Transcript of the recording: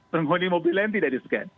penghuni mobil lain tidak di scan